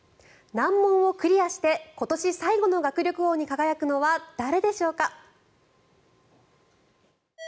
難問をクリアして今年最後の学力王に輝くのは誰でしょうか？